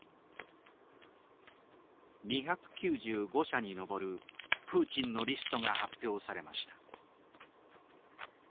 ２９５社に上るプーチンのリストが発表されました。